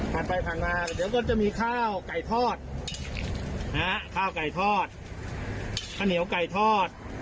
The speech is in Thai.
ผ่านไปผ่านมาเดี๋ยวก็จะมีข้าวไก่ทอดข้าวไก่ทอดข้าวเหนียวไก่ทอด